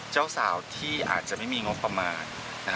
เจ้าสาวที่อาจจะไม่มีงบประมาณ